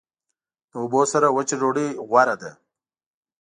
د اوبو سره وچه ډوډۍ غوره ده.